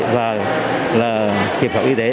và kiểm soát y tế